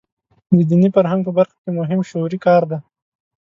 د دیني فرهنګ په برخه کې مهم شعوري کار دی.